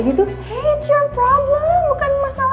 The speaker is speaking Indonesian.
hey it's your problem bukan masalah gue